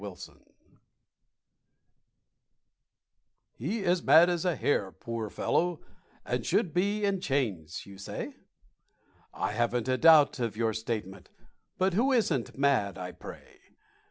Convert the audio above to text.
ALL MAD "He is mad as a hare, poor fellow, And should be in chains," you say. I haven't a doubt of your statement, But who isn't mad, I pray?